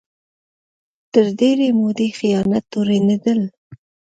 تر ډېرې مودې خیانت تورنېدل